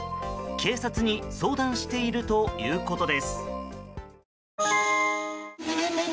警察に相談しているということです。